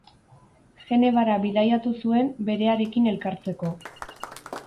Genevara bidaiatu zuen berearekin elkartzeko.